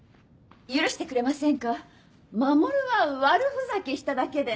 許してくれませんか守は悪ふざけしただけで。